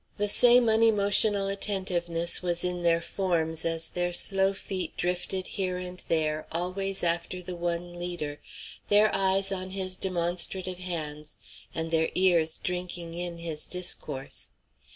The same unemotional attentiveness was in their forms as their slow feet drifted here and there always after the one leader, their eyes on his demonstrative hands, and their ears drinking in his discourse.